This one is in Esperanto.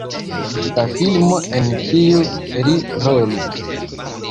la filmo en kiu li rolus